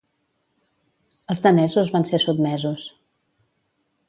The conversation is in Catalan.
Els danesos van ser sotmesos.